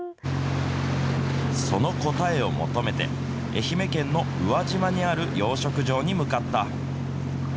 その答えを求めて、愛媛県の宇和島にある養殖場に向かった。